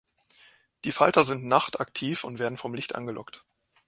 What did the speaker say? Die Falter sind nachtaktiv und werden vom Licht angelockt.